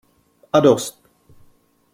A dost!